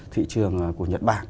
thị trường của nhật bản